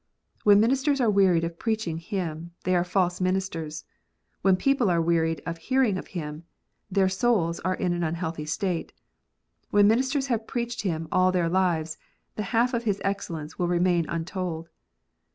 When ministers are wearied of preaching Him, they are false ministers : when people are wearied of hearing of Him, their souls are in an unhealthy state. When ministers have preached Him all their lives, the half of His excellence will remain untold.